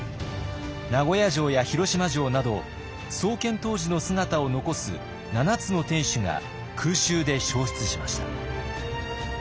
名古屋城や広島城など創建当時の姿を残す７つの天守が空襲で焼失しました。